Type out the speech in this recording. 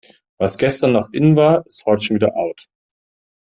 Was gestern noch in war, ist heute schon wieder out.